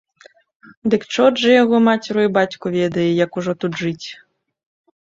Дык чорт жа яго мацеру і бацьку ведае, як ужо тут жыць!